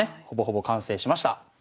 ほぼほぼ完成しました。